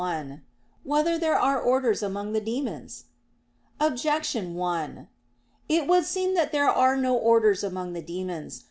1] Whether There Are Orders Among the Demons? Objection 1: It would seem that there are no orders among the demons.